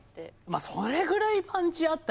まあそれぐらいパンチあったらね。